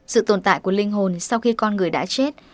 sự tồn tại của linh hồn sau khi con người đã chết